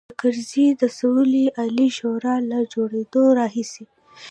د کرزي د سولې عالي شورا له جوړېدلو راهیسې.